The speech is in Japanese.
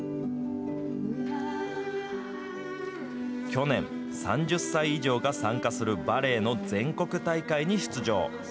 去年、３０歳以上が参加するバレエの全国大会に出場。